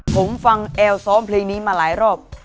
ผมฟังแอลซ้อมเพลงนี้มาหลายรอบ